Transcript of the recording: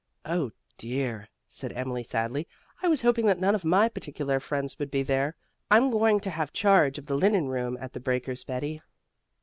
"Oh, dear!" said Emily sadly, "I was hoping that none of my particular friends would be there. I'm going to have charge of the linen room at The Breakers, Betty."